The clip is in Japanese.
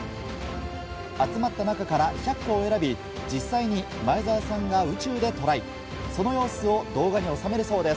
集まった中から１００個を選び、実際に前澤さんが宇宙でトライ。